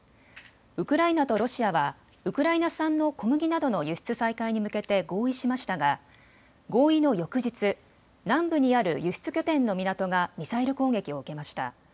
ウクライナとロシアはウクライナ産の小麦などの輸出再開に向けて合意しましたが合意の翌日、南部にある輸出拠点の港がミサイル攻撃を受けました。